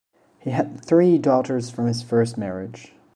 He had three daughters from his first marriage.